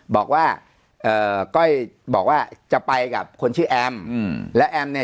บอกว่าเอ่อก้อยบอกว่าจะไปกับคนชื่อแอมอืมแล้วแอมเนี่ย